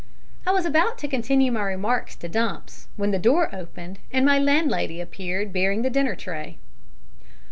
I was about to continue my remarks to Dumps when the door opened and my landlady appeared bearing the dinner tray.